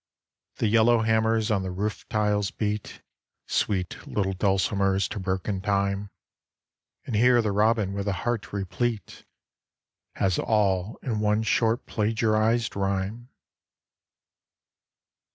The yellowhammers on the roof tiles beat Sweet little dulcimers to broken time, And here the robin with a heart replete Has all in one short plagiarised rhyme.